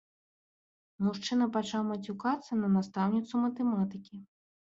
Мужчына пачаў мацюкацца на настаўніцу матэматыкі.